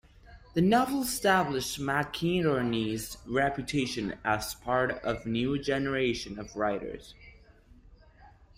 The novel established McInerney's reputation as part of a new generation of writers.